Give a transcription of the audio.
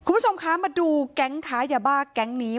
คุณผู้ชมคะมาดูแก๊งค้ายาบ้าแก๊งนี้